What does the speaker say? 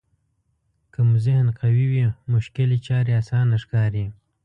که مو ذهن قوي وي مشکلې چارې اسانه ښکاري.